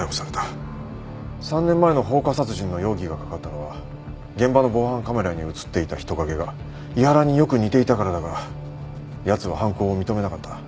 ３年前の放火殺人の容疑がかかったのは現場の防犯カメラに写っていた人影が井原によく似ていたからだがやつは犯行を認めなかった。